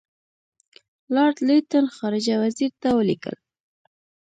لارډ لیټن خارجه وزیر ته ولیکل.